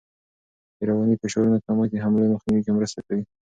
د رواني فشارونو کمښت د حملو مخنیوی کې مرسته کوي.